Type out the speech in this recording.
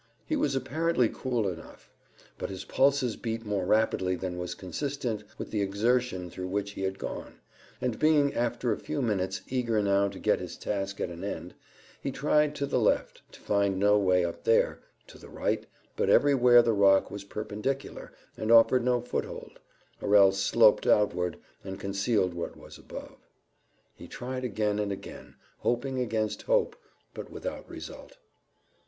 He was apparently cool enough, but his pulses beat more rapidly than was consistent with the exertion through which he had gone, and being after a few minutes eager now to get his task at an end, he tried to the left, to find no way up there, to the right, but everywhere the rock was perpendicular, and offered no foothold; or else sloped outward, and concealed what was above. He tried again and again, hoping against hope, but without result.